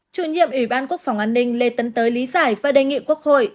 chủ nhiệm ủy ban quốc phòng an ninh lê tấn tới lý giải và đề nghị quốc hội